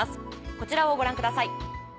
こちらをご覧ください。